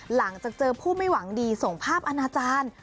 หลังจากเจอผู้ไม่หวังดีส่งภาพอาณาจารย์